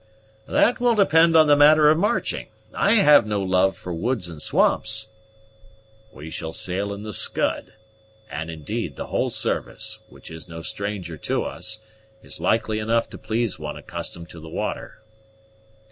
"That will depend on the manner of marching. I have no love for woods and swamps." "We shall sail in the Scud; and, indeed, the whole service, which is no stranger to us, is likely enough to please one accustomed to the water."